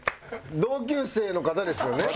同級生の方ですよね？